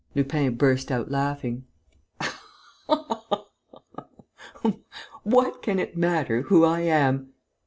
Lupin burst out laughing. "What can it matter who I am?